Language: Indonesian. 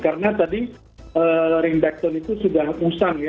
karena tadi ringback tone itu sudah usang ya